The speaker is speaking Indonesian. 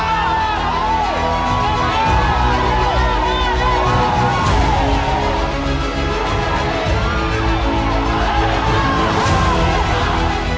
jalan jalan men